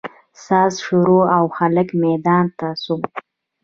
ساز شروع او هلک ميدان ته سو.